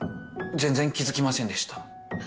全然気付きませんでした。